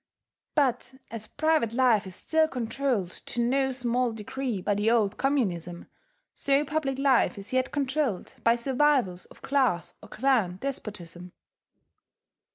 But as private life is still controlled to no small degree by the old communism, so public life is yet controlled by survivals of class or clan despotism.